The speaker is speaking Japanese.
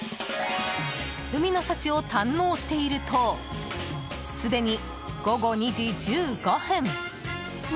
海の幸を堪能しているとすでに午後２時１５分。